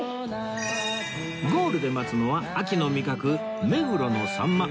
ゴールで待つのは秋の味覚目黒のさんま